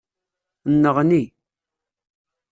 Nneɣni.